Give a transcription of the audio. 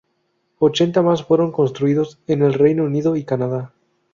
Ochenta más fueron construidos en el Reino Unido y Canadá.